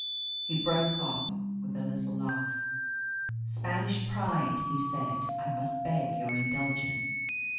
He broke off with a little laugh. "Spanish pride," he said. "I must beg your indulgence.